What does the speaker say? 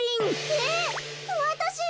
えっわたし！？